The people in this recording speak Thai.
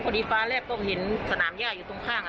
พอดีฟ้าแรกก็เห็นสนามย่าอยู่ตรงข้าง